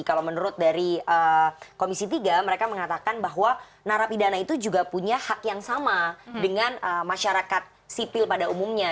kalau menurut dari komisi tiga mereka mengatakan bahwa narapidana itu juga punya hak yang sama dengan masyarakat sipil pada umumnya